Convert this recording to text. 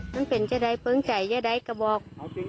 นั่นเป็นเจ้าได้เปิ้งใจเจ้าได้เกะบอก